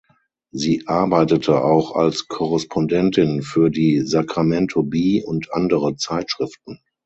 Sie arbeitete auch als Korrespondentin für die "Sacramento Bee" und andere Zeitschriften.